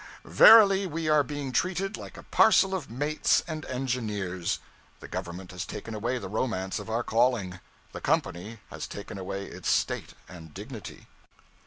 Verily we are being treated like a parcel of mates and engineers. The Government has taken away the romance of our calling; the Company has taken away its state and dignity.